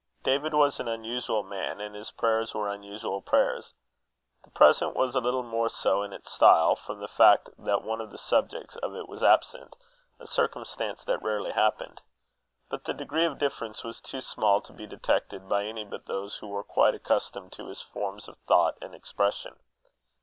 David was an unusual man, and his prayers were unusual prayers. The present was a little more so in its style, from the fact that one of the subjects of it was absent, a circumstance that rarely happened. But the degree of difference was too small to be detected by any but those who were quite accustomed to his forms of thought and expression.